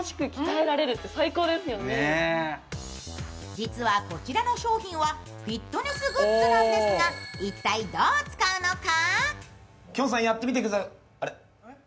実はこちらの商品はフィットネスグッズなんですが一体どう使うのか？